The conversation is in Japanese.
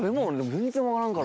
全然分からんからな。